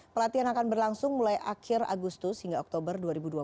pelatihan akan berlangsung mulai akhir agustus hingga oktober dua ribu dua puluh